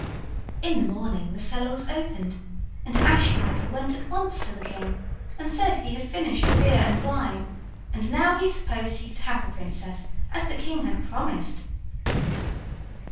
In the morning the cellar was opened and Ashiepattle went at once to the king and said he had finished the beer and wine, and now he supposed he could have the princess as the king had promised.